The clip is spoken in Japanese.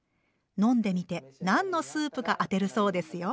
飲んでみて何のスープか当てるそうですよ。